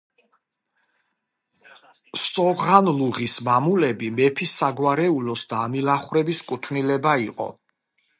სოღანლუღის მამულები მეფის საგვარეულოს და ამილახვრების კუთვნილება იყო.